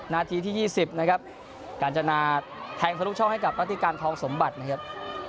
นาทีที่๒๐นะครับกาญจนาแทงทะลุช่องให้กับรัติการทองสมบัตินะครับ